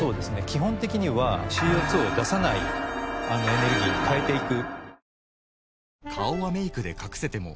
基本的にはＣＯ２を出さないエネルギーに変えていく。